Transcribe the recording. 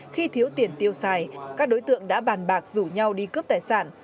khi thiếu tiền tiêu xài các đối tượng đã bàn bạc rủ nhau đi cướp tài sản